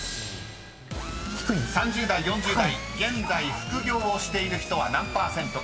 ［３０代４０代現在副業をしている人は何％か］